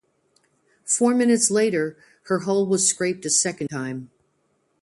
Four minutes later, her hull was scraped a second time.